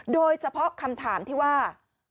โดยเฉพาะคำถามที่ว่า